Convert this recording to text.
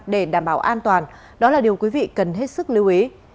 để đảm bảo an toàn đó là điều quý vị cần hết sức lưu ý